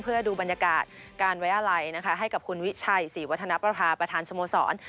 เพื่อดูบรรยากาศการไว้อะไรนะคะให้กับคุณวิชัยศรีวัฒนประภาประธานสโมสร